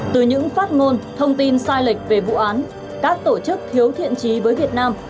từ những phát ngôn thông tin sai lệch về vụ án các tổ chức thiếu thiện trí với việt nam